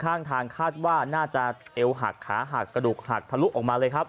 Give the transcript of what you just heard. ข้างทางคาดว่าน่าจะเอวหักขาหักกระดูกหักทะลุออกมาเลยครับ